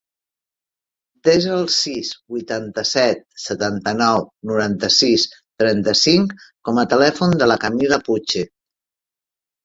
Desa el sis, vuitanta-set, setanta-nou, noranta-sis, trenta-cinc com a telèfon de la Camila Puche.